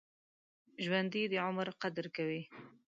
ژوندي د عمر قدر کوي